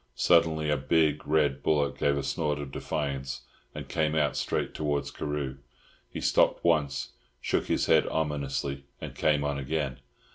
Suddenly a big, red bullock gave a snort of defiance, and came out straight towards Carew. He stopped once, shook his head ominously, and came on again.